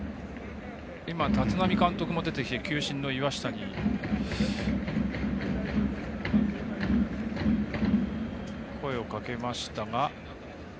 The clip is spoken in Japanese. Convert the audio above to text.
立浪監督も出てきて球審の岩下に声をかけましたが。